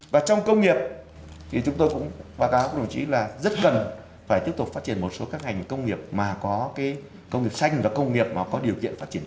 và trong công nghiệp thì chúng tôi cũng báo cáo với đồng chí là rất cần phải tiếp tục phát triển một số các ngành công nghiệp mà có công nghiệp xanh và công nghiệp mà có điều kiện phát triển